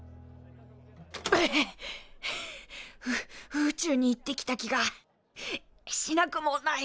宇宙に行ってきた気がしなくもない。